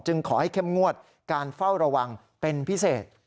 ขอให้เข้มงวดการเฝ้าระวังเป็นพิเศษ